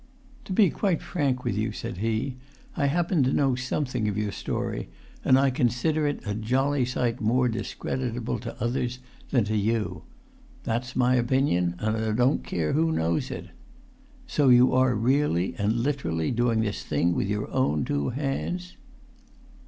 "To be quite frank with you," said he, "I happen to know something of your story; and I consider it a jolly sight more discreditable to others than to you. That's my opinion, and I don't care who knows it. So you are really and literally doing this thing with your own two hands?"